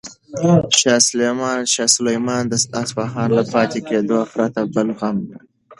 شاه سلیمان د اصفهان له پاتې کېدو پرته بل غم نه درلود.